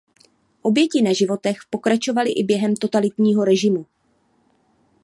Oběti na životech pokračovali i během totalitního režimu.